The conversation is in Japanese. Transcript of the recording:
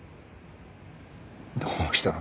どうしたの？